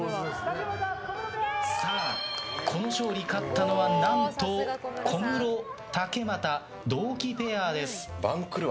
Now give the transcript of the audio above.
この勝負、勝ったのは小室、竹俣同期ペアです。